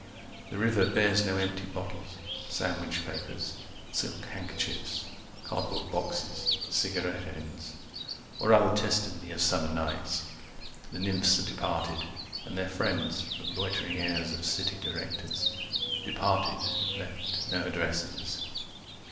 The river bears no empty bottles, sandwich papers, Silk handkerchiefs, cardboard boxes, cigarette ends Or other testimony of summer nights. The nymphs are departed. And their friends, the loitering heirs of city directors; 180 Departed, have left no addresses.